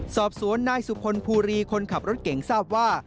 สอบสวนนายสุพลภูรีคนขับรถเก่งทราบว่า